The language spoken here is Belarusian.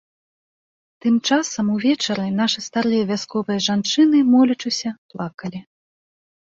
Тым часам увечары нашы старыя вясковыя жанчыны, молячыся, плакалі.